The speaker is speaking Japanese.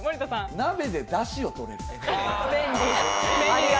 鍋でだしを取れる。